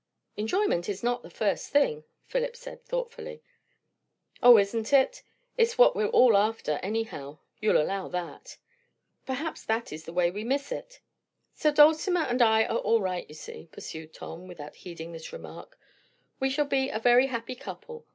"Enjoyment is not the first thing," Philip said thoughtfully. "O, isn't it! It's what we're all after, anyhow; you'll allow that." "Perhaps that is the way we miss it." "So Dulcimer and I are all right, you see," pursued Tom, without heeding this remark. "We shall be a very happy couple.